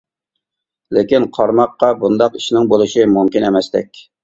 لېكىن قارىماققا بۇنداق ئىشنىڭ بولۇشى مۇمكىن ئەمەستەك!